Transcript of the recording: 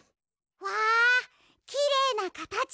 わあきれいなかたち！